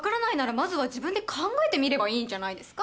まずは自分で考えてみればいいんじゃないですか？